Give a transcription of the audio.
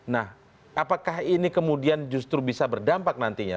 nah apakah ini kemudian justru bisa berdampak nantinya